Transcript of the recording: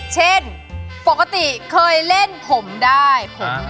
เช่นปกติเคยเล่นผมได้ผม